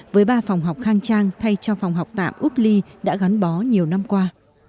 với ba phòng học khang trang thay cho phòng học tạm úc ly đã gắn bó nhiều năm qua